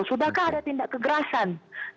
sudahkah ada tindak kekerasan